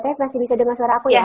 teteh masih bisa denger suara aku ya